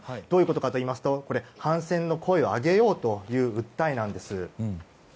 どういうことかといいますと反戦の声を上げようという訴えなんです。